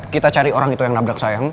kita cari orang itu yang nabrak saya